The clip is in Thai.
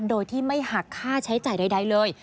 โดยที่ไม่หักค่าใช้จ่ายใดเลย